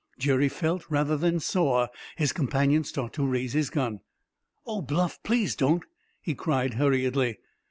Jerry felt rather than saw his companion start to raise his gun. "Oh, Bluff, please don't!" he cried hurriedly.